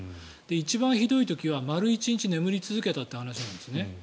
一番ひどい時は丸１日眠り続けたという話なんですね。